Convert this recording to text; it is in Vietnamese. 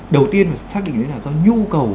đầu tiên là xác định là do nhu cầu